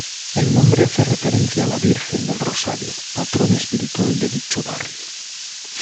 El nombre hace referencia a la Virgen del Rosario, patrona espiritual de dicho barrio.